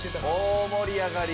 大もり上がり。